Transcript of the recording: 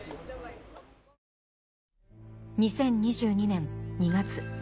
２０２２年２月。